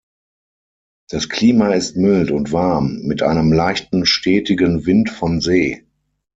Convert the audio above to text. Das Klima ist mild und warm, mit einem leichten stetigen Wind von See.